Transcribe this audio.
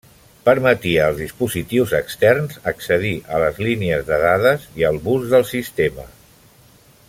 Permetia als dispositius externs accedir a les línies de dades i al bus del sistema.